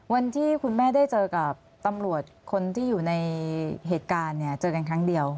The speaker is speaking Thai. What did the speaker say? วันที่คุณแม่ได้เจอกับตำรวจคนที่อยู่ในเหตุการณ์เนี่ยเจอกันครั้งเดียว